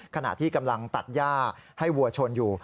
ขณะที่กำลังตัดย่าให้วัวชนอยู่